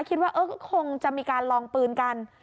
คิดว่าคงจะมีการลองปืนกัน